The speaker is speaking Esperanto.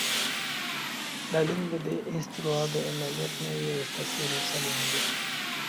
La lingvo de instruado en la lernejo estas rusa lingvo.